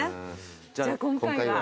じゃあ今回は。